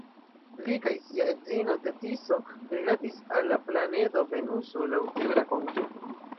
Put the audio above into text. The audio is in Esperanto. Li kaj sia edzino Tetiso rilatis al la planedo Venuso, laŭ tiu rakonto.